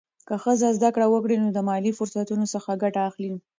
که ښځه زده کړه وکړي، نو د مالي فرصتونو څخه ګټه اخلي.